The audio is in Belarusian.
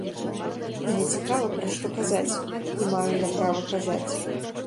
Мне цікава, пра што казаць, і маю я права казаць.